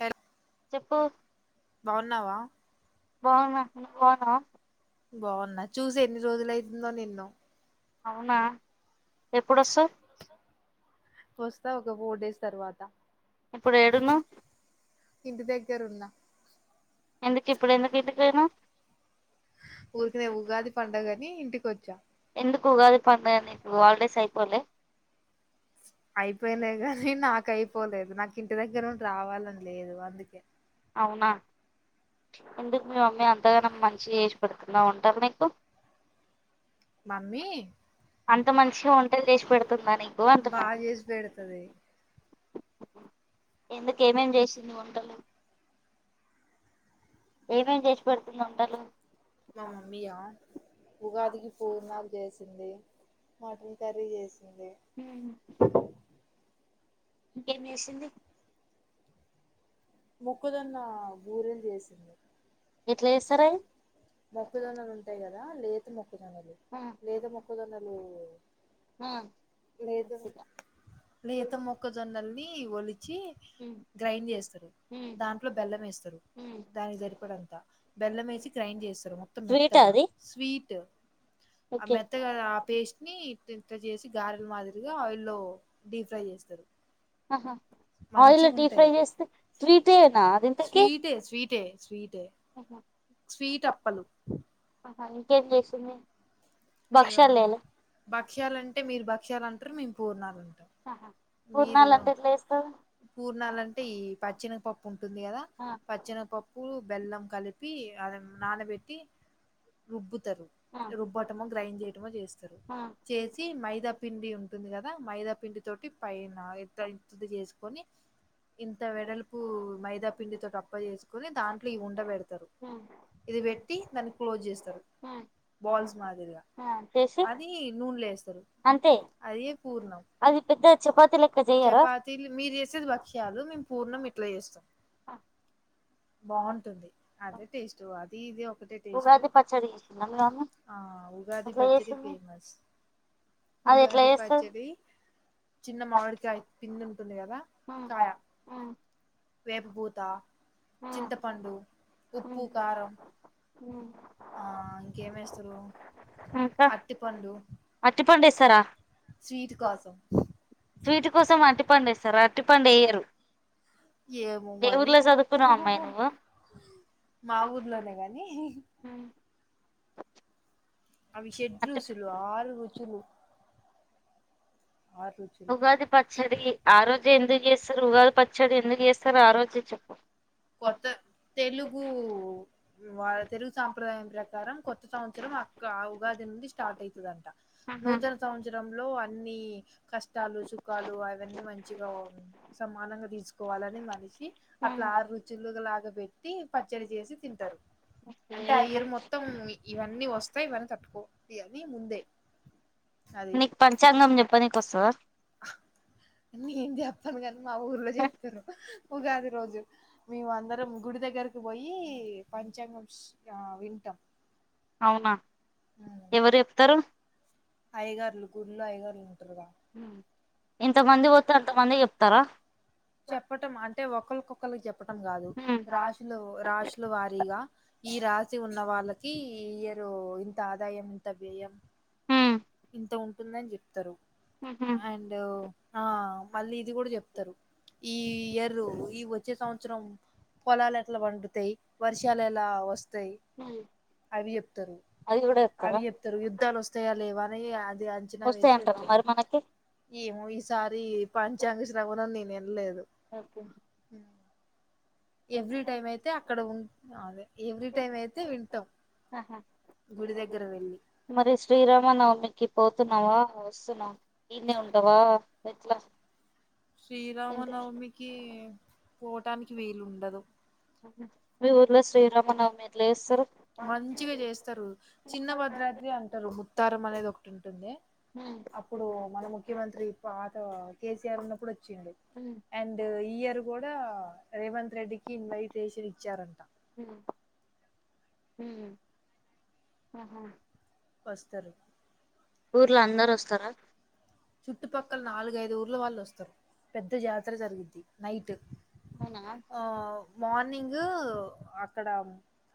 Hello చెప్పు బాగున్నావా బాగున్నా నువ్వు బాగున్నావా బాగున్నా చూసి ఎన్ని రోజుల అవుతుందో నిన్ను అవునా ఎప్పుడొస్తవ్ వస్తావుగా ఫోర్ డేస్ తరువాత ఇప్పుడు ఏడున్నావ్ ఇంటి దగ్గరున్న ఎందుకు ఇప్పుడు ఎందుకు ఇంటి దగ్గర ఊరికినే ఉగాది పండుగని ఇంటికి వచ్చి ఎందుకు ఉగాది పండగ నీకు హలిడేస్ అయిపోలే అయిపోయినై గాని నాకైపోలేదు నాకు ఇంటి దగ్గరూండి రావాలని లేదు అందుకే అవునా ఎందుకు మీ మమ్మీ అంతగానం మంచిగా చేసి పెడుతుందా వంటలు నీకు మమ్మీ అంత మంచిగా వంటలు చేసి పెడుతుందా నీకు అంటున్న బాగా చేసి పెడుతది ఎందుకు ఏమేం చేసింది వంటలు ఏమేమి చేసి పెడుతుంది వంటలు మా మమ్మీయా ఉగాదికి పూర్ణాలు చేసింది మటన్ కర్రీ చేసిందిే హ్మ్ ఇంకేం చేసింది మొక్కజొన్న బూరెలు చేసింది ఎట్లా చేస్తారవి మొక్కుజోన్నలు ఉంటాయి కదా లేత మొక్కుజోన్నలు ఆ లేత మొక్కజోన్నలు ఆ లేత మొక్కజొన్నల్ని ఒలిచి హ్మ్ గ్రైంన్ చేస్తారు దాంట్లో హ్మ్ బెల్లం వేస్తారు దానికి సరిపడంత బెల్లం వేసి గ్రైండ్ చేస్తారు మొత్తం స్వీటా మెత్తగా అది స్వీట్ ఆ ఓకే మెత్తగాదా ఆ పేస్ట్ ని తింత చేసి గారెల మాదిరిగా ఆయిల్లో డీప్ ఫ్రై చేస్తారు అహా ఆయిల్ మంచిగా డీప్ ఫ్రై ఉంటాయి చేస్తే స్వీటేనా అది ఇంతకీ స్వీటే స్వీటే స్వీటే స్వీట్ అప్పలు ఆ ఇంకేం చేసింది ఇగ భక్షాలు చేయలే భక్ష్యలంటే మీరు భక్ష్యలు అంటారు మేము పూర్ణాలు అంటం పూర్ణాలంటే ఎట్లేస్త పూర్ణాలంటే ఈ పచ్చేనగపప్పు ఉంటుందిగ గ ఆ పచ్చెనగపప్పు బెల్లం కలిపి అ నానబెట్టి రుబ్బు తరు రుబట్ టం గ్రైండ్ చేయటమో చేస్తారు ఆ చేసి మైదా పిండి ఉంటుంది కదా మైదా పిండి తోటి ఫై నా ఇంత్త ఇంతీంత చేసుకొని ఇంత వెడల్పు మైదా పిండితోటప్ప చేసుకుొని దాంట్లో ఇ ఉండబెడుతారు ఉమ్, ఇది పెట్టి దాన్ని క్లోజ్ చేస్తారు ఉమ్, బాల్స్ మాదిరిగా ఆ చేసి అది నూనెలేస్తారు అంతే అదిే పూర్ణం అది పెద్ద చపాతి లెక్క చెయ్యరా చపాతీలు మీరు చేసేది భక్ష్యాలు మేము పూర్ణమి ట్ల చేస్తాం బాగుంటుంది అదే టేస్ట్ అది ఇది ఒక ఉగాది పచ్చడి చేసిందా మీ మమ్మీ ఆ ఉగాది ఎట్లా పచ్చడి చేసింది ఫేమస్ అది ఎట్లా ఉగాది చేస్తది పచ్చడి చిన్న మామిడికాయి పిందుంటుంది కదా కాయ వేప పుత చింతపండు ఉప్పు ఇంకా కారం ఆ ఇంకేమిేస్తారు అత్తిపండు అట్టిపండేస్తారా కోసం స్వీట్ కోసం అటిపండేస్తార అరటిపండు వేయ్యరు ఏమొ మరి నువ్వు మా ఊర్లోనే గానీ అవి షెడ్ రూ చులు ఆరు రుచులు ఆరు రుచులు ఉగాది పచ్చడి ఆరోోజు ఎందుకు చేస్తారు ఉగాది పచ్చడి ఎందుకు చేస్తారో ఆ రోజు చెప్ప కొత్త తెలుగు వా తెలుగు సాంప్రదాయం ప్రకారం కొత్త సంవత్సరం అక్క ఉగాది స్టార్ట్ అవుతదంట నూతన సంవత్సర లో అన్ని కష్టాలు సుఖాలు అవన్నీ మంచిగా సమానంగా తీసుకోవాలని మనిషి అట్లా ఆరు రుచులు లాగా పెట్టి పచ్చడి చేసి తింటారు. అంటే ఆ ఇయరు మొత్తం ఇవన్నీ వస్తయి ఇవన్నీ తట్టుకో అని ముందే నీకు పంచాంగం చెప్ప నీకు అన్ని చెప్పు మా ఊర్లో చెప్తరు ఉగాది రోజు మేము అందరం గుడి దగ్గరకు పోయి పంచాంగం ష్ వింటాం. అవునా ఎవరు చెప్తారు అయ్యగారులు గుళ్లో అయ్యగారులుంటరు కద ఊ ఎంతమంది పోతే అంతమంది చెప్తారా క్కలికి చెప్పటం కాదు రాసులు రాసుల వారీగా ఈ రాశి ఉన్న వాళ్ళకి ఇ ఇయరు ఇంత ఆదాయం ఇంత వ్యయం అంత ఉంటుందని చెప్తరు ఉహు అండ్ ఆ మళ్ళీ ఇది కూడ చెప్తరు ఈ ఇయరు ఈ వచ్చే సంవత్సరం పొలాలు ఎట్లా పండుతయ్ వర్షాలు ఎలా వస్తయ్ అవి చెప్తరు అది కూడా చెప్తారా అవి చెప్తరు యుద్ధాలు వస్తయా లేవా అని అది అంచనా వేసి వస్తాయంటారా చెపుతరు మరి మనకి ఏమో ఈసారి పంచాంగ శ్రవణం నేను ఇంలేదు ఓకే ఎవ్రీ టైం అయితే అక్కడ ఉం అదే ఎవ్రీ టైం అయితే వింటాం. గుడి దగ్గర వెళ్ళి మరి శ్రీరామ నవమి కి పోతున్నావా వస్తున్నావ ఇడినే ఉంటవా ఎట్లా ఇంటికి శ్రీరామనవమికి పోవటానికి వీలు ఉండ మీ ఊర్లో శ్రీరామనవమి ఎట్ల చేస్తర్ మంచిగ చేస్తరు చిన్న భద్రాద్రి అంటారు. ముత్తారం అనేది ఒకటి ఉంటుంది. అప్పుడు మన ముఖ్యమంత్రి పాత కేసీఆర్ ఉన్నప్పుడు వచ్చింది. అండ్ ఈ ఇయర్ కూడా రేవంత్ రెడ్డికి ఇన్వైటేషన్ ఇచ్చారంట. హుమ్ హుమ్ ఆహా వస్తరు ఊర్లో అందరు వస్తార చుట్టుపక్కల నాలుగైదు ఊర్లో వాళ్ళు వస్తారు. పెద్ద జాతర జరిగిద్ది. నైట్ అవునా ఆ మార్నింగూ అక్కడ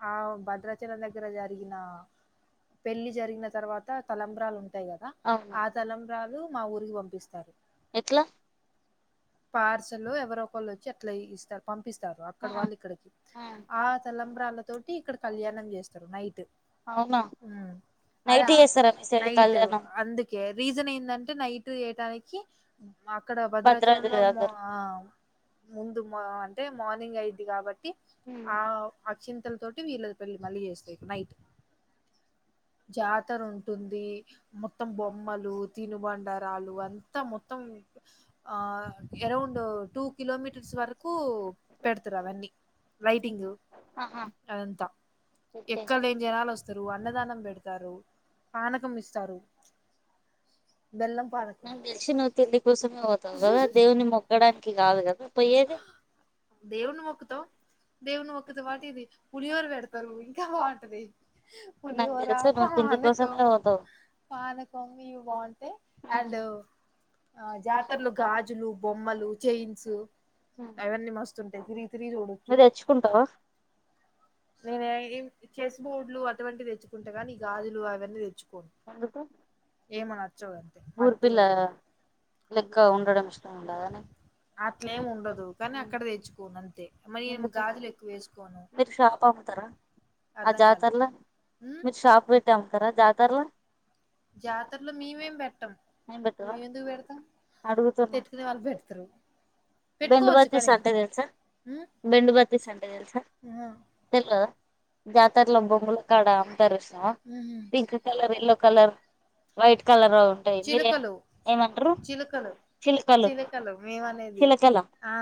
ఆ భద్రాచలం దగ్గర జరిగిన పెళ్లి జరిగిన తర్వాత తలంబ్రాలు ఉంటాయి కదా. అవునా ఆ తలంబ్రాలు మా ఊరికి పంపిస్తారు. ఎట్ల పార్సల్ ఎవరో ఒకళ్ళు వచ్చి అట్లా ఇస్తారు పం ఇప్పిస్తారు అక్కడ వాళ్ళు ఇక్కడికి ఆ తలంబ్రాళ్ల తోటి ఇక్కడ కళ్యాణం చేస్తారు నైట్ అవునా ఉమ్ అదా నైట్ చేస్తారా మీ సైడ్ నైట్ కళ్యాణం అందుకే రీజన్ ఏందంటే నైట్ దానికి అక్కడ భద్రాద్రి భద్రాచలంలో ము దగ్గర ముందుక్ తె మార్నింగ్ అయిద్ది కాబట్టి ఆ వచిన్ ల తోటి వీళ్ళ పెళ్ మళ్ళీ చేస్తాయి నైట్ జాతర ఉంటుంది. మొత్తం బొమ్మలు, తినుబండరాలు అంతా మొత్తం ఆ అరౌండ్ టూ కిలోమీటర్స్ వరకు పెడతారు అవన్నీ. యిండు లైటింగ్ ఆ అదంతా ఎక్కడ లేని జనాలు వస్తారు. అన్నదానం పెడతారు. పానకం ఇస్తారు. బెల్లం పానకం. నువ్ పిలిసినవ్ తిండి కోసము వు కదా దేవుని మొక్కడానికి కాదు కదా పోయ్యేది దేవున్ని మొక్కుతవ్ దేవుని మొక్కు వాటిది పులిహోర పెడతారు ఇంకా బాగుంటది నాకు పులిహోర పానకం [unintelligible] [unintelligible] అండ్ ఆ జాతరలో గాజులు బొమ్మలు చైన్స్ అవన్నీ మస్తుంటాయి తిరిగి తిరిగి చూడచ్చు నువ్వు తెచ్చుకుంటావా చేయిన్ చెస్ బోర్డులు అటువంటివి తెచ్చుకుంటే కానీ గాజులు అవన్నీ తెచ్చుకోండి ఊర్పిల్ల గాజులు లెక్క ఉండడం ఇష్టం ఉండదా అట్లేమి ఉండదు కానీ ఆహా అక్కడ తెచ్చుకోను అంతే మరి గాజులు ఎక్కువ వేసుకోను మీరు షాప ఆ అర్ధం కాలే జాతరలో ఉమ్ మీరు షాప్పెట్టి అమ్మతారా జాతరలో జాతరలో మేమేం పెట్టం ఏం మేము ఎందుకు పెట్టరా పెడతాం అడుగుతున్నా [inaudible] పెట్టుకునే వాళ్ళు పెడతారు పెట్టుకోవచ్చు కానీ అంటే తెలుసా ఉమ్ బెండు బత్తీస్ అంటే తెలుసా ఆహా తెల్వదా జాతరలో బొంకులకాడ అమ్మతార్ చూసా ఉహు pink colour yellow colour white colour ఉంటాయి మీలే ఏమంటారు చిలకలు మేమనేది చిలకల ఆ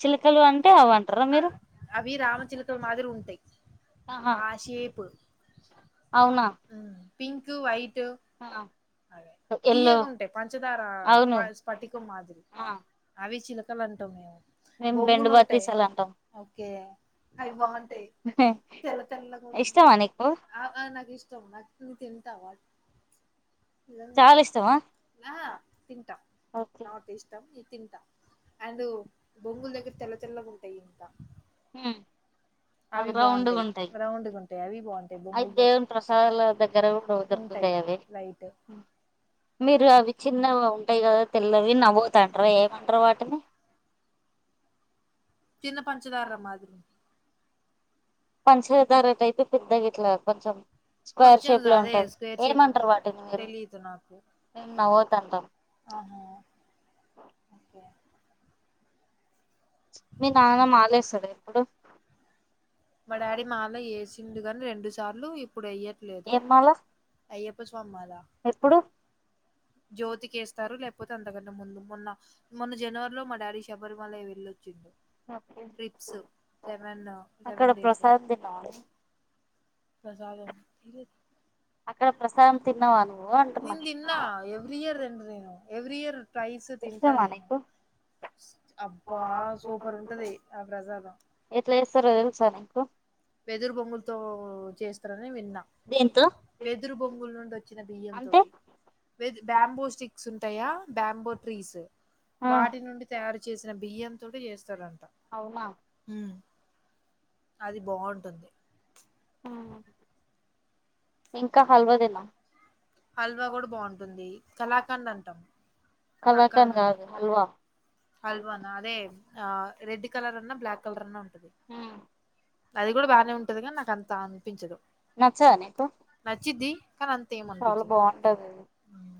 చిలకలు అంటే అవంటారా మీరు అవి రామచిలుకల మాదిరి ఉంటాయి ఆహ ఆ షేప్ పింక్ వైట్ ఆ అదే ఎల్లో తీయగుంటాయ్ పంచదార ప అవును పటికు మాదిరి అవి చిల కల అంటం మేము మేం బెండు బొంగులు ఉంటాయి బతీసలంటాం ఓకే అవి బాగుంటాయ్ తెల్ల తెల్లగ ఇష్టమా నీకు ఆ ఆ నాకు ఇష్టం నాకు తింట వా చాలా ఇష్టమా ఆహా తింటా ఓకే అండ్ బొంగులు దగ్గర తెల్ల తెల్లగా ఉంటాయి ఇంకా ఉమ్, అవి బాగుంటాయి రౌండ్ గా ఉంటాయ్ అవి బాగుంటా అవి దేవుని ప్రసాదాలు దగ్గర కూడా ఉంటాయి దొరుకుతాయి అవి లైట్. మీరు అవి చిన్నగా ఉంటాయి కదా తెల్లవి నముల్తంటర ఏమంటారు వాటిని చిన్న పంచదార మాదిరి పంచధారటైపే పెద్దగిట్లా కొంచెం స్క్వేర్ కొంచెం షేప్ లో అదే ఉంటది స్క్వేర్ షేప్ ఏమంటారు వాటిని మీరు తెలీదు నాకు. మేము నవ్వేతంటాం ఆహా! హ ఓకే. మీ నాన్న మాలేస్తాడా ఎప్పుడు మా డాడీ మాలా ఏసిండు గాని రెండు సార్లు ఇప్పుడు ఎయ్యట్లేదు ఏం మాల అయ్యప్ ప్ప మాల ఎప్పుడు జ్యోతికేస్తారు లేకపోతే అం తకంటే ముందు మొన్న మొన్న జనవరి లో మా డాడీ శబరిమలై వెళ్ళొచ్చిండు ట్రిప్స్ సెవన్ అక్కడ ప్రసాదం తిన్నావ ప్రసాదం అక్కడ ప్రసాదం తిన్నావా నువ్వు అంటున్నా నేను తిన్నా ఎవ్రీ ఇయర్ తింట నేను ఎవ్రీ ఇయర్ ట్రైస్ తింటా ఇష్టమా నేను నీకు అబ్బా సూపర్ ఉంటది ఆ ప్రసాదం ఎట్లా చేస్తారో తెలుసా నీకు వెదరు బొంగులుతో చేస్తార నే విన్నా దేంతో వెదురు బొంగులు నుండి ఒచ్చిన బియ్యం అంటే తోటి వెద్ బ్యాంబో స్టిక్స్ ఉంటయా బ్యాంబో ట్రీస్. ఆ వాటి నుండి తయారు చేసిన బియ్యం తోటి చేస్తారంట అవునా హ్మ్ అది బాగుంటుంది హ్మ్ ఇంకా హల్వా దిన్న హల్వా గూడా బాగుంటుంది కళాకండ్ అంటాం కళాకన్ గాదు హల్వా హల్వా నా అదే ఆ రెడ్ కలర్ అన్న, బ్లాక్ కలర్ అన్న ఉంటది. అది గూడా బానే ఉంటది, గాని నాకు అంతా అనిపించదు, నచ్చదా నీకు నచ్చిద్ది. కానీ అంత ఏం చాలా అనిపిచదు బాగుంటది అది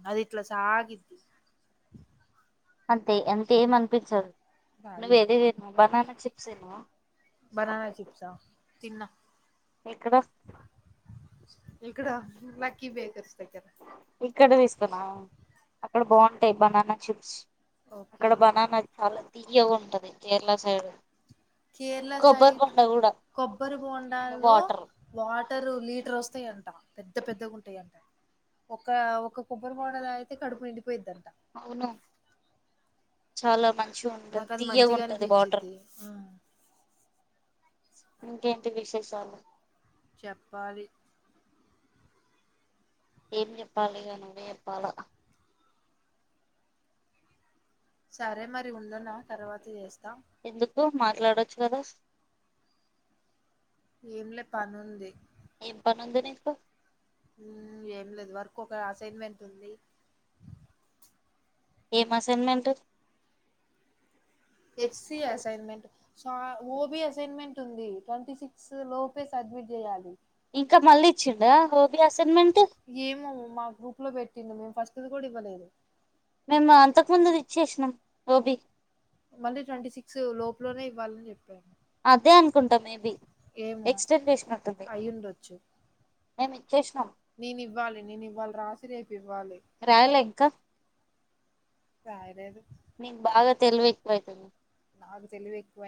అది ఇట్లా సాగిద్ది అంతే అంతే ఏమ అనిపిచదు నువ్వు ఏదో సాగిద్ది. బనానా చిప్స్ తిన్నావా బనానా చిప్సా తిన్న ఎక్కడ ఇకడ లక్కీ బేకర్స్ దగ్గర ఇక్కడ తీసుకున్నా అక్కడ బాగుంటాయ్ బనానా చిప్స్ అక్కడ ఓకే. బనానా చాలా తియ్యగ ఉంటది కేరళ సైడ్ కేరళ కొబ్బరి సైడు బొండ కూడా కొబ్బరి బోండాల్లో వాటర్ వాటరు లీటర్ వస్తాయంటా పెద్ద పెద్దగా ఉంటయంటా ఒకా ఒక్క కొబ్బరి బోండా దాగితే కడుపు నిండిపోయిద్దంట అవును చాలా మంచిగుంటద్, నాకు అది మంచిగా తియ్యగుంటది వాటర్. అనిపించిద్ది ఉమ్ ఇంకేంటి విశేషాలు చెప్పాలి ఏం జెప్పాలి ఇగ నువ్వే ఎప్పాలా సరే మరి ఉండనా తర్వాత చేస్తా ఎందుకు మాట్లాడొచ్చు కదా ఏంలే పనుంది ఏం పని ఉంది నీకు ఊమ్ ఏం లేదు వర్క్ ఒకా సేన్మెంట్ ఉంది ఏం అసైన్మెంట్ హెచ్ సి అసైన్మెంట్ సా ఓబీ అసన్మెంట్ ఉంది ట్వంటీ సిక్ సొ లోపే సడ్మిట్ జేయాలి ఇంకా మళ్ళీ ఇచ్చిండా ఓబి అసైన్మెంట్ ఏమో మా గ్రూప్ లో బె టిన మేము ఫస్ట్ ది గూడా ఇవ్వలేదు నన్నా అంతకు ముందు ఇచ్చేసినం ఓబీ మళ్ళీ ట్వంటీ సిక్స్ లోపూ లోనే ఇవ్వాలని చెప్ అదే అనుకుంటా మేబి ఏమో ఎక్స్టెన్ చేసినట్టుంది అయ్యుండొచ్చు మేము ఇచ్చేసినాం నేను ఇవ్వాలి నేను ఇవ్వాల రాస్ రాయలే ఇంకా రాయలేదు నీక్ బాగా తెలివి ఎక్కువైతుంది నాకు తెలివి ఎక్కువై